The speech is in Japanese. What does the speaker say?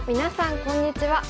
こんにちは。